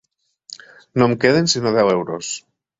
No em queden sinó deu euros.